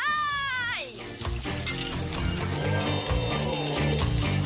ว้าว